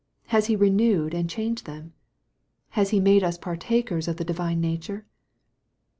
Has He renewed, and changed them ? Has He made us partakers of the Divine nature